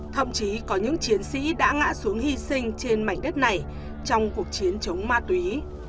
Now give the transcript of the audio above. thậm chí có những chiến sĩ đã ngã xuống hy sinh trên mảnh đất này trong cuộc chiến chống ma túy